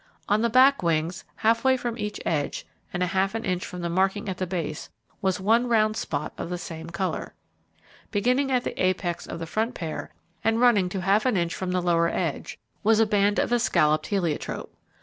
On the back wings, halfway from each edge, and half an inch from the marking at the base, was one round spot of the same colour. Beginning at the apex of the front pair, and running to half an inch from the lower edge, was a band of escalloped heliotrope.